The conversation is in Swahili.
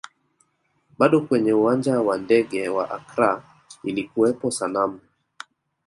Bado kwenye uwanja wa ndege wa Accra ilikuwepo sanamu